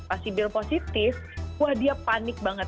pak sibil positif wah dia panik banget